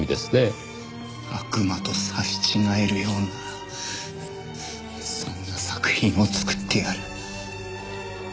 悪魔と刺し違えるようなそんな作品を作ってやる。